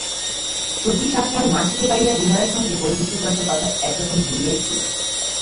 সতীশ আজকাল মাসিকে পাইয়া বিনয়ের সঙ্গে বন্ধুত্বচর্চার কথা একরকম ভুলিয়াই ছিল।